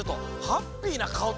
ハッピーなかお？